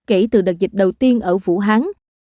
kể từ đợt dịch đầu tiên ở vũ hán